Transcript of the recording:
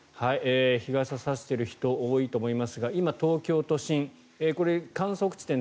日傘を差している人多いと思いますが今、東京都心、観測地点